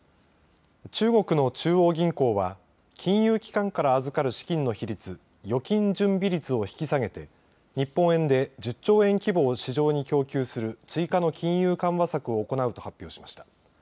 中国の中央銀行は金融機関から預かる資金の比率預金準備率を引き下げて日本円で１０兆円規模を市場に供給する追加の金融緩和策を行うと発表しました。